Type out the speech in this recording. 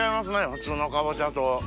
普通のかぼちゃと。